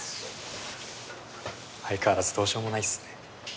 相変わらずどうしようもないっすね